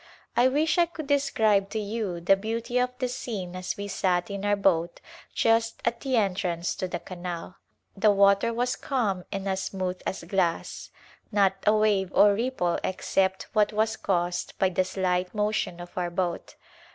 I wish I could describe to you the beauty of the scene as we sat in our boat just at the entrance to the canal. The water was calm and as smooth as glass, not a wave or ripple except what was caused by the slight motion of our boat.